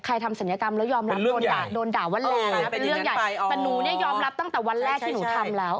ทำศัลยกรรมแล้วยอมรับโดนด่าโดนด่าว่าแรงนะเป็นเรื่องใหญ่แต่หนูเนี่ยยอมรับตั้งแต่วันแรกที่หนูทำแล้ว